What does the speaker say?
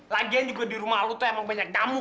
lagian juga di rumah lu tuh emang banyak nyamuk